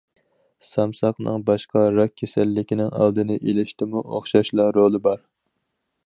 سامساقنىڭ باشقا راك كېسەللىكىنىڭ ئالدىنى ئېلىشتىمۇ ئوخشاشلا رولى بار.